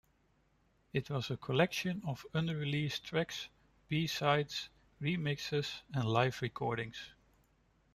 It was a collection of unreleased tracks, b-sides, remixes, and live recordings.